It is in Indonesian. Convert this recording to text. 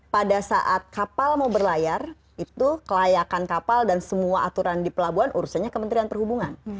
pada saat kapal mau berlayar itu kelayakan kapal dan semua aturan di pelabuhan urusannya kementerian perhubungan